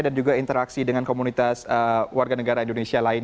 dan juga interaksi dengan komunitas warga negara indonesia lain